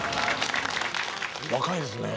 若いですね。